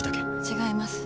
違います。